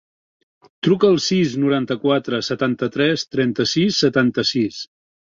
Truca al sis, noranta-quatre, setanta-tres, trenta-sis, setanta-sis.